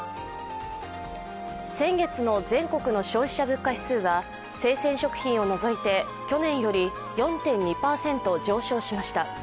先月の全国の消費者物価指数は生鮮食品を除いて去年より４．２％上昇しました。